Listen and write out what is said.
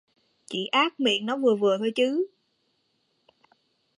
chị ác miệng nó vừa vừa thôi chứ